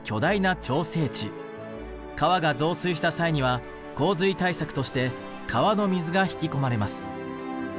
川が増水した際には洪水対策として川の水が引き込まれます。